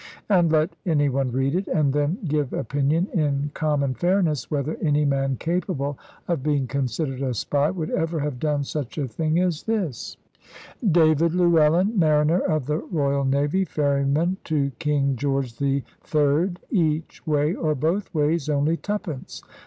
And let any one read it, and then give opinion in common fairness, whether any man capable of being considered a spy would ever have done such a thing as this: "David Llewellyn, Mariner of the Royal Navy, Ferryman to King George the IIId. Each way or both ways only Twopence.